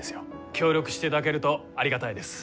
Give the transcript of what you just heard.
協力していただけるとありがたいです。